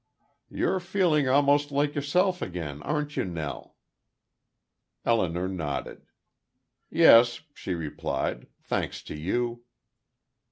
"You're feeling almost like yourself again, aren't you, Nell?" Elinor nodded. "Yes," she replied. "Thanks to you."